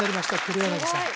黒柳さん